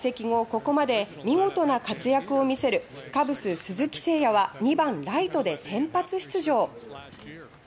ここまで見事な活躍をみせるカブス・鈴木誠也は２番ライトで先発出場。